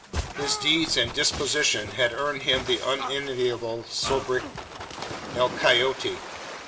His deeds and disposition had earned for him the unenviable soubriquet "El Coyote."